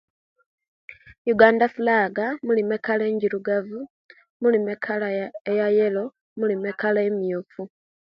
Uganda fulaga mulimu ekala enjirugavu, mulimu ekala eyayelo, mulimu ekala emwufu